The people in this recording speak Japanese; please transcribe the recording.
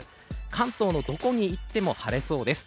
関東のどこに行っても晴れそうです。